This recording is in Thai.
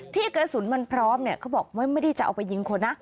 กระสุนมันพร้อมเนี่ยเขาบอกไม่ได้จะเอาไปยิงคนนะ